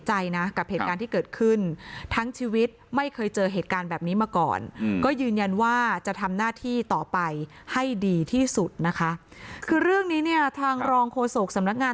อันดับ๔ค่ะ